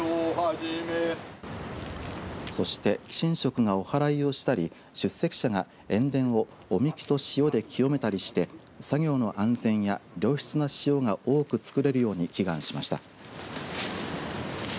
そして神職がおはらいをしたり出席者が塩田をお神酒と塩で清めたりして作業の安全や良質な塩が多く作れるように祈願しました。